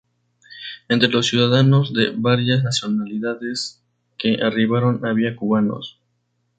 Entre los ciudadanos de varias nacionalidades que arribaron, habían cubanos.